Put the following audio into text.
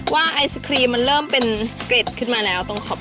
ไอศครีมมันเริ่มเป็นเกร็ดขึ้นมาแล้วตรงขอบ